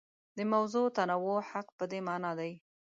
د موضوعي تنوع حق په دې مانا دی.